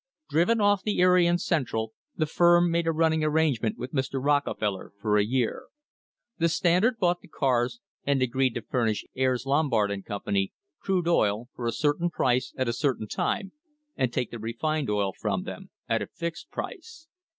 Driven off the Erie and Central, the firm made a running arrangement with Mr. Rockefeller for a year; the Standard bought the cars and agreed to furnish Ayres, Lombard and Company crude oil for a certain price at a certain time, and take the refined oil from them at a fixed price.